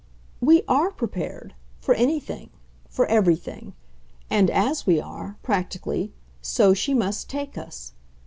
"We ARE prepared for anything, for everything; and AS we are, practically, so she must take us.